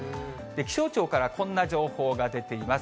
気象庁からこんな情報が出ています。